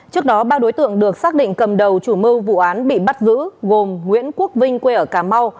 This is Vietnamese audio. trước đó ba đối tượng được xác định cầm đầu chủ mưu vụ án bị bắt giữ gồm nguyễn quốc vinh quê ở cà mau